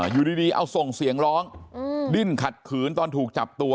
อยู่ดีเอาส่งเสียงร้องดิ้นขัดขืนตอนถูกจับตัว